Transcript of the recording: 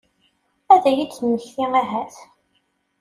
Ad iyi-d-temmekti ahat?